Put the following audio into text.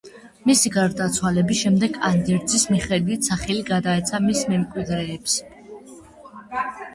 მისი გარდაცვალების შემდეგ ანდერძის მიხედვით სახლი გადაეცა მის მემკვიდრეებს.